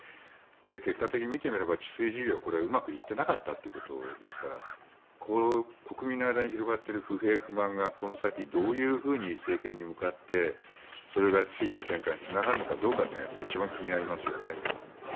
結果的に見てみれば治水事業はうまくいっていなかったということですから国民の間に広がっている不平不満がこの先、どういうふうに政権に向かってそれが次の展開につながるかどうかというのは一番気になりますよね。